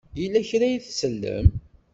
Yella kra ay tsellem?